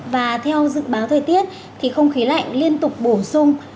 và theo dự báo thời tiết thì không khí lạnh liên tục bổ sung